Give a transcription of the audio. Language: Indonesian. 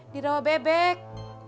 di rawa bebek